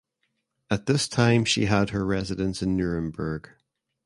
At this time she had her residence in Nuremberg.